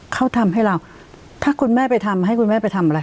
เขาทำให้เราถ้าคุณแม่ไปทำให้คุณแม่ไปทำอะไร